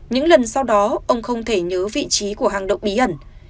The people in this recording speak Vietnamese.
những lần sau đó ông không thể nhớ vị trí của hang động bí ẩn